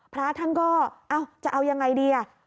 พระท่านก็จะเอายังไงดี